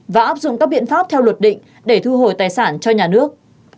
và áp dụng các biện pháp theo luật định để thu hồi tài sản cho nhà nước